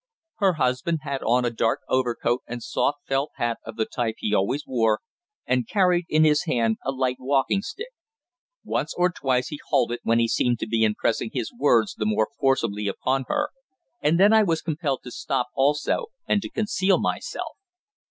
Her husband had on a dark overcoat and soft felt hat of the type he always wore, and carried in his hand a light walking stick. Once or twice he halted when he seemed to be impressing his words the more forcibly upon her, and then I was compelled to stop also and to conceal myself.